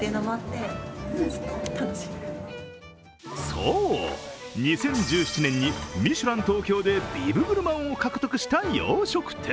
そう、２０１７年に「ミシュラン東京」でビブグルマンを獲得した洋食店。